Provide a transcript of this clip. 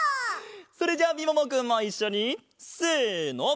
それじゃあみももくんもいっしょにせの！